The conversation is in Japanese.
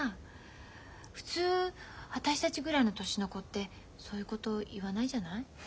普通私たちぐらいの年の子ってそういうこと言わないじゃない？